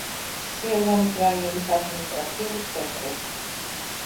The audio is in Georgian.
სიაზანის რაიონის ადმინისტრაციული ცენტრი.